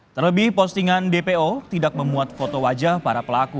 terlebih postingan dpo tidak memuat foto wajah para pelaku